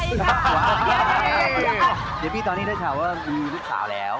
เดี๋ยวพี่ตอนนี้ได้ข่าวว่ามีลูกสาวแล้ว